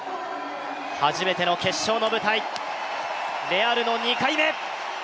初めての決勝の舞台、レアルの２回目。